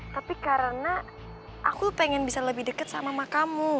tapi karena aku pengen bisa lebih deket sama mama kamu